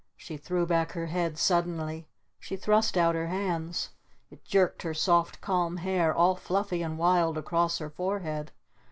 She threw back her head suddenly. She thrust out her hands. It jerked her soft, calm hair all fluffy and wild across her forehead.